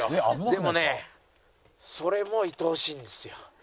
でもねそれも愛おしいんですよ。